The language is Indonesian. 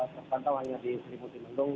terpantau hanya di seribu timendung